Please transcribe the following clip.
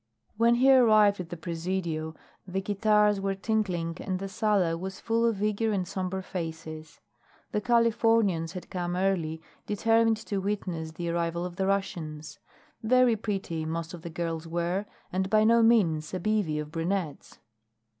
When he arrived at the Presidio the guitars were tinkling and the sala was full of eager and somber faces. The Californians had come early, determined to witness the arrival of the Russians. Very pretty most of the girls were, and by no means a bevy of brunettes.